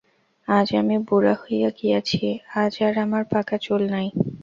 আজ আমি বুড়া হইয়া গিয়াছি, আজ আর আমার পাকা চুল নাই।